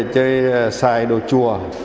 chơi xài đồ chùa